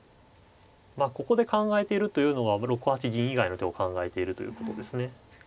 まあここで考えているというのは６八銀以外の手を考えているということですね。